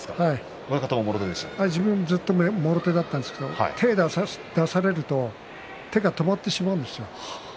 自分はずっともろ手だったんですけど手を出されると手が止まってしまうんですよ。